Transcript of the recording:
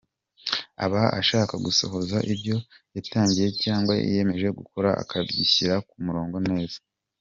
Aba ashaka gusohoza ibyo yatangiye cyangwa yiyemeje gukora akabishyira ku murongo neza .